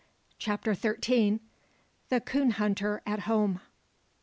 CHAPTER THIRTEEN. THE COON HUNTER AT HOME.